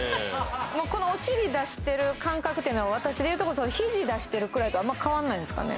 このお尻出してる感覚というのは私でいうと肘出してるくらいとあんま変わんないんですかね？